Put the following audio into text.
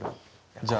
じゃあ。